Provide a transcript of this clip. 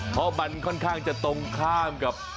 เพราะมันค่อนข้างจะตรงข้ามกับ